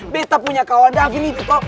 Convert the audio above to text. betah punya kawan davin itu kok